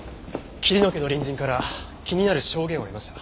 桐野家の隣人から気になる証言を得ました。